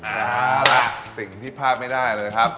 เอาล่ะสิ่งที่พลาดไม่ได้เลยครับ